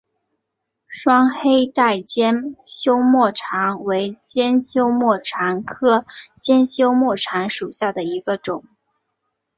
双黑带尖胸沫蝉为尖胸沫蝉科尖胸沫蝉属下的一个种。